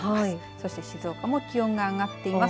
そして静岡の気温が上がっています。